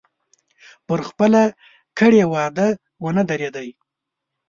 پر خپله کړې وعده ونه درېدی.